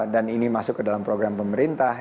dan ini masuk ke dalam program pemerintah